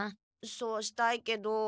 そうしたいけど。